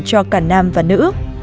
cho cả nam và nữ